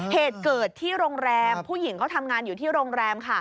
เหตุเกิดที่โรงแรมผู้หญิงเขาทำงานอยู่ที่โรงแรมค่ะ